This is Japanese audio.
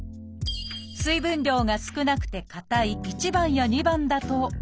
水分量が少なくて硬い１番や２番だと便秘。